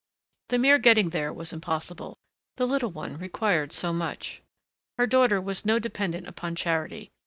The mere getting there was impossible the little one required so much. Her daughter was no dependent upon charity.